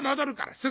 すぐ。